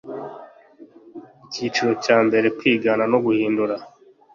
Icyiciro cya mbere Kwigana no guhindura